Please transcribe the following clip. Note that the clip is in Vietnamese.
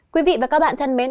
quý vị và các bạn thân mến